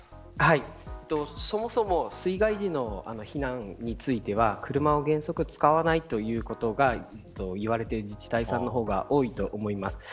そもそも水害時の避難については車を原則、使わないということが言われている自治体が多いと思います。